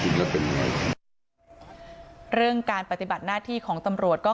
จริงแล้วเป็นยังไงเรื่องการปฏิบัติหน้าที่ของตำรวจก็